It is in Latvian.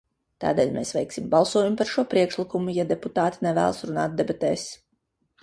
Tādēļ mēs veiksim balsojumu par šo priekšlikumu, ja deputāti nevēlas runāt debatēs.